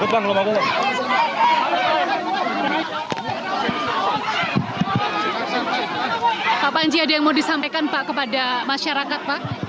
bapak panji ada yang mau disampaikan kepada masyarakat